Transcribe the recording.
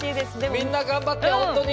みんな頑張って本当に！